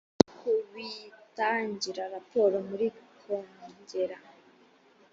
no kubitangira raporo muri kongere